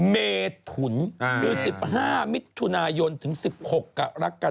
เมถุนคือ๑๕มิถุนายนถึง๑๖กรกฎา